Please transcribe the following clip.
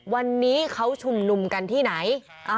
วันนี้เขาชุมนุมกันที่ไหน